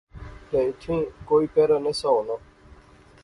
تد ایتھیں کوئی پہرہ نہسا ہونا